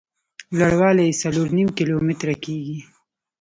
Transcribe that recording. لوړ والی یې څلور نیم کیلومتره کېږي.